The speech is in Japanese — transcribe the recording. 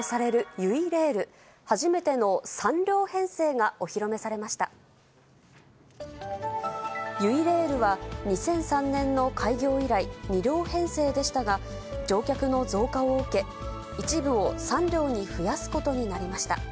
ゆいレールは、２００３年の開業以来、２両編成でしたが、乗客の増加を受け、一部を３両に増やすことになりました。